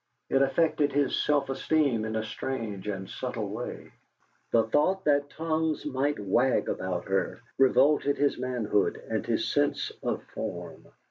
It affected his self esteem in a strange and subtle way. The thought that tongues might wag about her revolted his manhood and his sense of form.